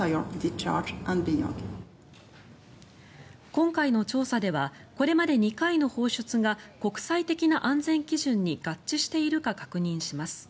今回の調査ではこれまで２回の放出が国際的な安全基準に合致しているか確認します。